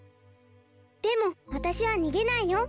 でもわたしはにげないよ。